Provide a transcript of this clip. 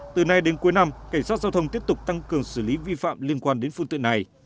từ nay đến cuối năm cảnh sát giao thông tiếp tục tăng cường xử lý vi phạm liên quan đến phương tiện này